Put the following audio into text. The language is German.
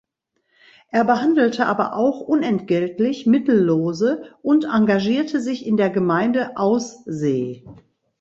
Er behandelte aber auch unentgeltlich Mittellose und engagierte sich in der Gemeinde Aussee.